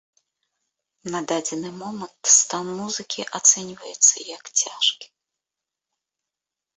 На дадзены момант стан музыкі ацэньваецца як цяжкі.